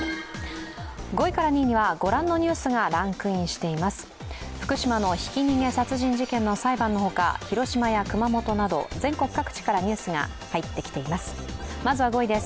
５位から２位には、ご覧のニュースがランクインしています。